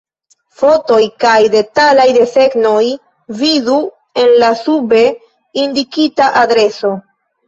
Fotoj kaj detalaj desegnoj vidu en la sube indikita adreso.